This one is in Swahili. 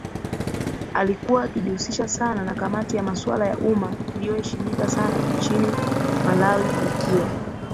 alikuwa akijihusisha sana na kamati ya masuala ya umma inayoheshimika sana nchini Malawilikiwa